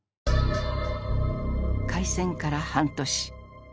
開戦から半年。